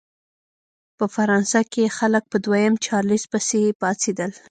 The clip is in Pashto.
په فرانسه کې خلک په دویم چارلېز پسې پاڅېدل.